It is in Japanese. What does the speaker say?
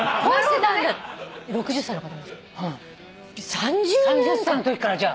３０歳のときからじゃあ。